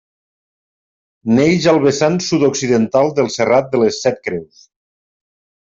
Neix al vessant sud-occidental del Serrat de les Set Creus.